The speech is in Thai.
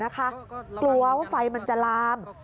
กลัวว่าไฟมันจะลาม